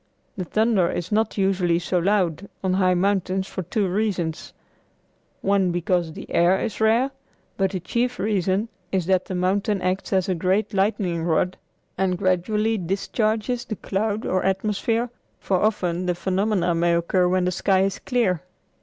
The thunder is not usually so loud on high mountains for two reasons one because the air is rare, but the chief reason is that the mountain acts as a great lightning rod and gradually discharges the cloud or atmosphere, for often the phenomena may occur when the sky is clear.